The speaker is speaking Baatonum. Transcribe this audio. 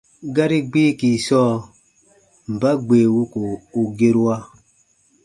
Gari gbiiki sɔɔ: mba gbee wuko u gerua?